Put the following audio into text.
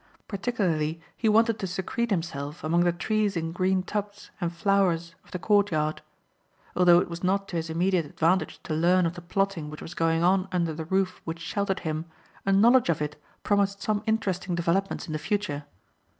Particularly he wanted to secrete himself among the trees in green tubs and flowers of the courtyard. Although it was not to his immediate advantage to learn of the plotting which was going on under the roof which sheltered him a knowledge of it promised some interesting developments in the future.